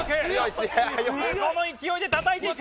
この勢いで叩いていく。